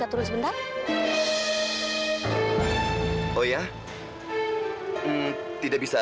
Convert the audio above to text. untuk kebenaran saya